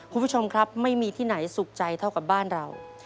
คุณผู้ชมครับไม่มีที่ไหนสุขใจเท่ากับบ้านเรา